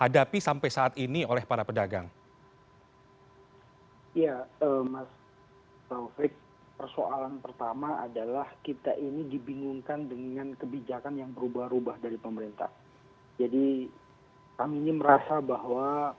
jadi kami merasa bahwa